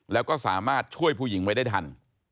แล้วก็สามารถช่วยผู้หญิงไว้ได้ทัน